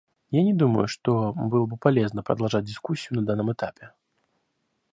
Я не думаю, что было бы полезно продолжать дискуссию на данном этапе.